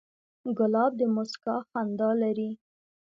ګلاب د موسکا خندا لري.